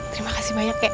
terima kasih banyak kek